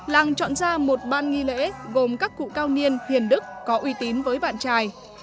làng chọn ra một ban nghi lễ gồm các cụ cao niên hiền đức có uy tín với bạn trai